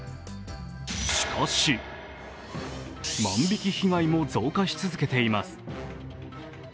しかし、万引き被害も増加し続けています。